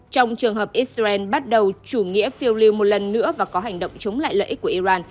trong trường hợp israel bắt đầu chủ nghĩa phiêu lưu một lần nữa và có hành động chống lại lợi ích của iran